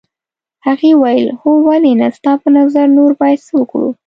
هغې وویل هو ولې نه ستا په نظر نور باید څه وکړو.